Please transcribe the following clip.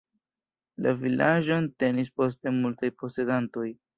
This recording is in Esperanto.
La vilaĝon tenis poste multaj posedantoj.